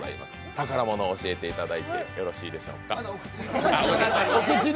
宝物を教えていただいてよろしいでしょうか。